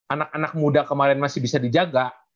anak anak muda kemarin masih bisa dijaga